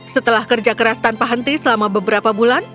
setelah kerja keras tanpa henti selama beberapa bulan